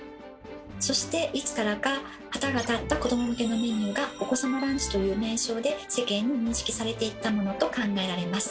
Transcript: そしていつからか旗が立った子ども向けのメニューが「お子様ランチ」という名称で世間に認識されていったものと考えられます。